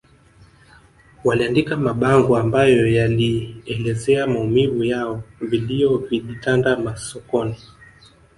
Waliandika mabango ambayo yalielezea maumivu yao vilio vilitanda masokoni